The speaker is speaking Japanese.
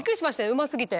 うま過ぎて。